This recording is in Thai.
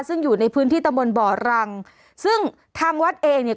ซึ่งอยู่ในพื้นที่ตะบนบ่อรังซึ่งทางวัดเองเนี่ย